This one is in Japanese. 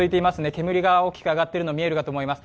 煙が大きく上がっているのが見えると思います。